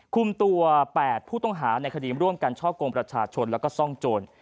คุมตัว๘ผู้ต้องหาในคดีร่วมกันช่อกงประชาชนแล้วก็ซ่องโจร